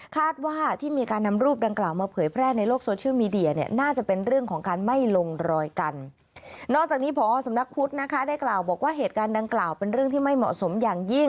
คาดว่าที่มีการนำรูปดังกล่าวมาเผยแพร่ในโลกโซเชียลมีเดีย